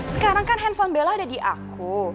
sekarang kan handphone bella ada di aku